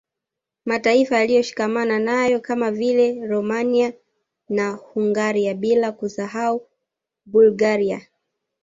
Mataifa yaliyoshikamana nayo kama vile Romania na Hungaria bila kusahau Bulgaria